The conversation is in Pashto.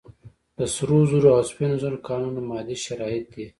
د سرو زرو او سپینو زرو کانونه مادي شرایط دي.